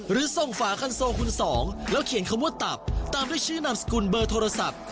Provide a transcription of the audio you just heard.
หรือส่งฝาคันโซคุณสองแล้วเขียนคำว่าตับตามด้วยชื่อนามสกุลเบอร์โทรศัพท์